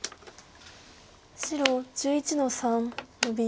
白１１の三ノビ。